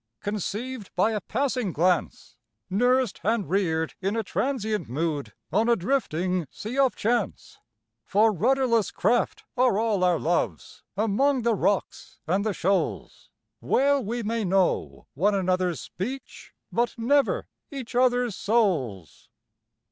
Conceived by a passing glance, Nursed and reared in a transient mood, on a drifting Sea of Chance. For rudderless craft are all our loves, among the rocks and the shoals, Well we may know one another's speech, but never each other's souls.